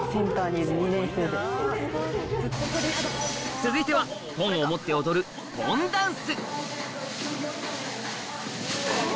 続いてはポンを持って踊るポンダンス